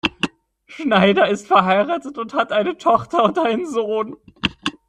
Schneider ist verheiratet und hat eine Tochter und einen Sohn.